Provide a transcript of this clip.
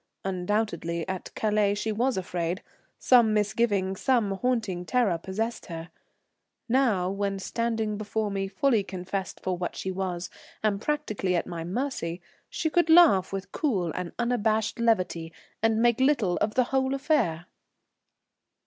Undoubtedly at Calais she was afraid; some misgiving, some haunting terror possessed her. Now, when standing before me fully confessed for what she was, and practically at my mercy, she could laugh with cool and unabashed levity and make little of the whole affair.